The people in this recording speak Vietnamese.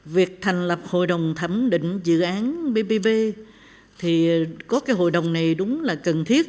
việc thành lập hội đồng thẩm định dự án bbb thì có cái hội đồng này đúng là cần thiết